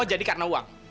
oh jadi karena uang